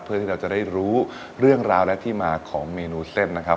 เพื่อที่เราจะได้รู้เรื่องราวและที่มาของเมนูเส้นนะครับ